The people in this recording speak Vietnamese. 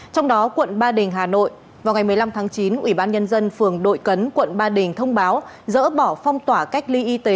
trong đó quận ba đình hà nội vào ngày một mươi năm tháng chín ủy ban nhân dân phường đội cấn quận ba đình thông báo dỡ bỏ phong tỏa cách ly y tế